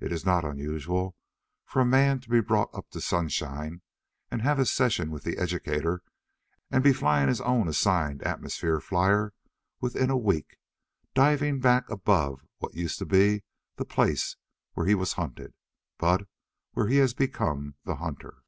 It is not unusual for a man to be brought up to sunshine, and have his session with the educator, and be flying his own assigned atmosphere flier within a week, diving back above what used to be the place where he was hunted, but where he has become the hunter.